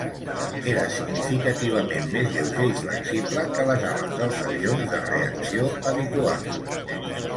Era significativament més lleuger i flexible que les ales dels avions de reacció habituals.